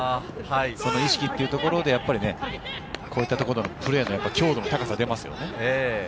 意識というところで、こういったところのプレーの強度の高さが出ますよ。